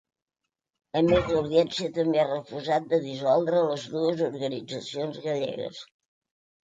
A més, l’audiència també ha refusat de dissoldre les dues organitzacions gallegues.